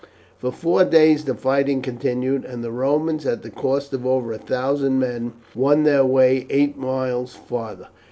For four days the fighting continued, and the Romans, at the cost of over a thousand men, won their way eight miles farther.